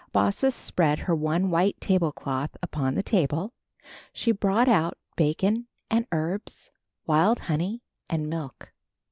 Baucis spread her one white table cloth upon the table. She brought out bacon and herbs, wild honey and milk.